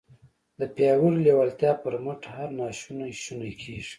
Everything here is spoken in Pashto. د پياوړې لېوالتیا پر مټ هر ناشونی شونی کېږي.